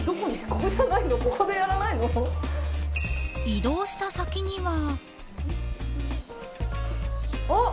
移動した先には。